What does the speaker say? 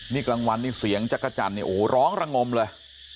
นี่กลางวันนี่เสียงจักรจันทร์เนี่ยโอ้โหร้องระงมเลย